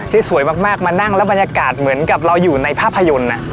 สวยมากมานั่งแล้วบรรยากาศเหมือนกับเราอยู่ในภาพยนตร์